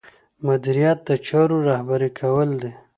مدیریت د چارو رهبري کول دي.